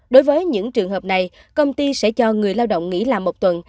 đối với những trường hợp này công ty sẽ cho người lao động nghỉ làm một tuần